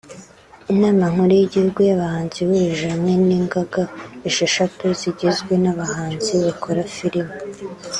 Inama Nkuru y’Igihugu y’Abahanzi ihurije hamwe ingaga esheshatu zigizwe n’abahanzi bakora filime